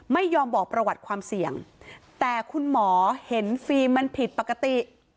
ไม่ยอมบอกประวัติความเสี่ยงแต่คุณหมอเห็นฟิล์มมันผิดปกติ